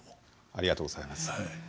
ありがとうございます。